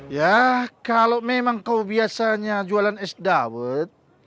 ya kalau memang kau biasanya jualan es dawet